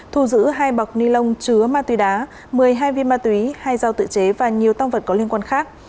thu giữ hai bọc ni lông chứa ma túy đá một mươi hai viên ma túy hai dao tự chế và nhiều tăng vật có liên quan khác